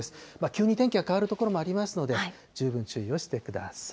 急に天気が変わる所もありますので、十分注意をしてください。